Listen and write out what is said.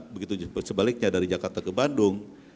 begitu sebaliknya dari jakarta ke bandung